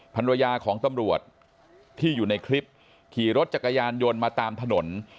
ภรรยาของตำรวจที่อยู่ในคลิปขี่รถจักรยานยนต์มาตามถนน